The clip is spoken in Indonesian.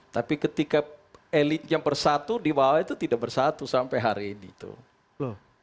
tapi ketika elit yang bersatu di bawah itu tidak bersatu sampai hari ini tuh